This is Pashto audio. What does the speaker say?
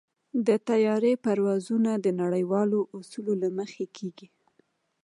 د طیارې پروازونه د نړیوالو اصولو له مخې کېږي.